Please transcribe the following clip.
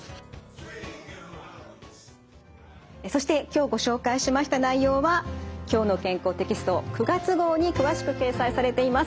そして今日ご紹介しました内容は「きょうの健康」テキスト９月号に詳しく掲載されています。